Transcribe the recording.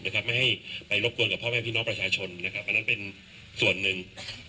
ไม่ให้ไปรบกวนกับพ่อแม่พี่น้องประชาชนนะครับอันนั้นเป็นส่วนหนึ่ง